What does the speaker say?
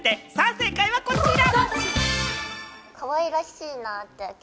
正解はこちら。